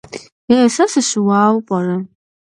Е сэ сыщыуэу пӏэрэ?